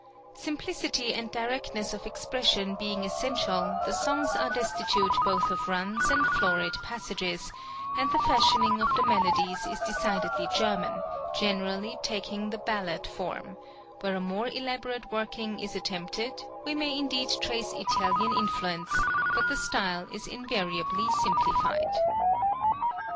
Simplicity and directness of expression being essential, the songs are destitute both of runs and florid passages, and the fashioning of the melodies is decidedly German, generally taking the ballad form; where a more elaborate working is attempted, we may indeed trace Italian influence, but the style is invariably simplified.